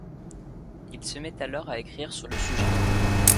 Il se met alors à écrire sur le sujet.